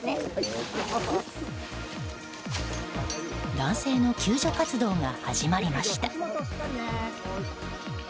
男性の救助活動が始まりました。